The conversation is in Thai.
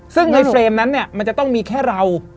ซึ่งในเฟรมนั้นเนี่ยมันจะต้องมีแค่เรา